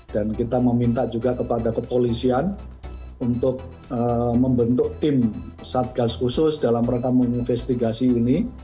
dan kita meminta juga kepada kepolisian untuk membentuk tim satgas khusus dalam rangka investigasi ini